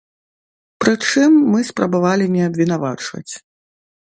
Прычым, мы спрабавалі не абвінавачваць.